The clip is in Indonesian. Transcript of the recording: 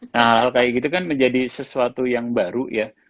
nah hal hal kayak gitu kan menjadi sesuatu yang baru ya